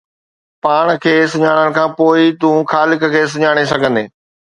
پاڻ کي سڃاڻڻ کان پوءِ ئي تون خالق کي سڃاڻي سگهندين.